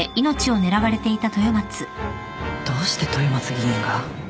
どうして豊松議員が？